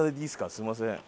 すいません。